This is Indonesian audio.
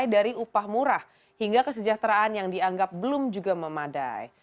dari upah murah hingga kesejahteraan yang dianggap belum juga memadai